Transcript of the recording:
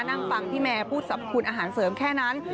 นั่งฟังพี่แมร์พูดสรรพคุณอาหารเสริมแค่นั้น